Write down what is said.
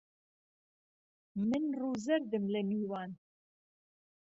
من ڕوو زەردم لە میوان